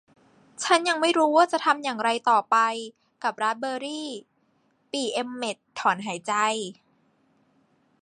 ฉันยังไม่รู้ว่าจะทำอย่างไรต่อไปกับราสเบอร์รี่ปี่เอ็มเม็ตต์ถอนหายใจ